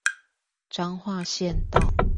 彰化縣道